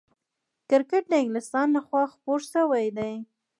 کرکټ د انګلستان له خوا خپور سوی دئ.